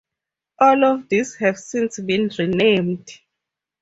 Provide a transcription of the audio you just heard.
All of these have since been renamed.